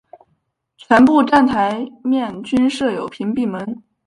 全部站台面均设有屏蔽门。